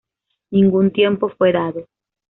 Ningún tiempo fue dado.